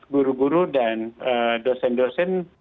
guru guru dan dosen dosen